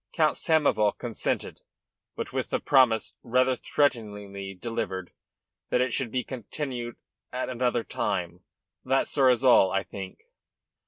Count Samoval consented, but with the promise, rather threateningly delivered, that it should be continued at another time. That, sir, is all, I think."